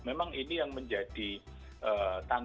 memang ini yang menjadi tantangan